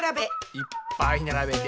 いっぱい並べて。